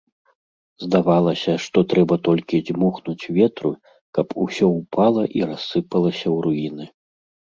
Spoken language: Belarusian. Здавалася, што трэба толькі дзьмухнуць ветру, каб усё ўпала і рассыпалася ў руіны.